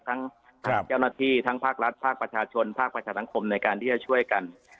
ทั้งเจ้าหน้าที่ทั้งภาครัฐภาคประชาชนภาคประชาสังคมในการที่จะช่วยกัน